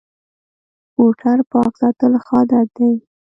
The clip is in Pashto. موټر پاک ساتل ښه عادت دی.